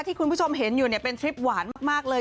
ที่คุณผู้ชมเห็นอยู่เนี่ยเป็นทริปหวานมากเลย